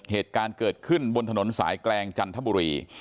เหตุการณ์เกิดขึ้นบนถนนสายแกลงจันทบุรี